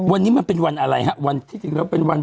วันนี้มันเป็นวันอะไรฮะวันที่จริงแล้วเป็นวัน